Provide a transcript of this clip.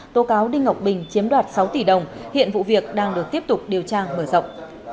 tố cáo đinh ngọc bình chiếm đoạt sáu tỷ đồng hiện vụ việc đang được tiếp tục điều tra mở rộng